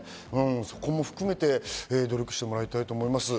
そこも含めて努力してもらいたいと思います。